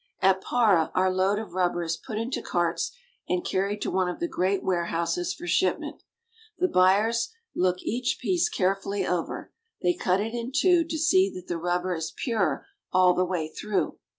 At Para our load of rubber is put into carts and carried to one of the great warehouses for shipment. The buyers look each piece carefully over. They cut it in two to see that the rubber is pure all the way through.